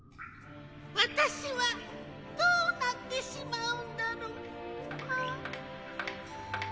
わたしはどうなってしまうんだろう？ああ。